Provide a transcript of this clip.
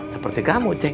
seperti kamu ceng